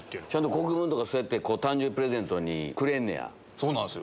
国分とかそうやって誕生日プレゼントにくれんねや。